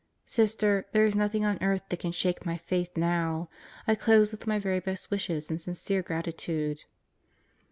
Sister, there is nothing on earth that can shake my Faith now. I dose with my very best wishes and sincere gratitude.